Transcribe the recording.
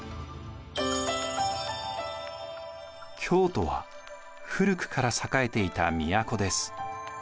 京都は古くから栄えていた都です。